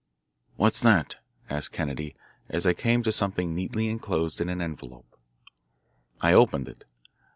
"What's that?" asked Kennedy as I came to something neatly enclosed in an envelope. I opened it.